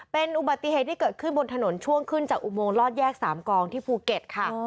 เป็นอุบัติเหตุที่เกิดขึ้นบนถนนช่วงขึ้นจากอุโมงลอดแยกสามกองที่ภูเก็ตค่ะ